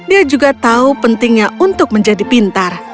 ia juga tahu pentingnya untuk menjadi pintar